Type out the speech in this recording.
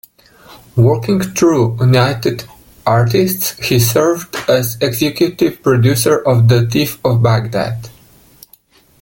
Working through United Artists, he served as executive producer of The Thief of Bagdad.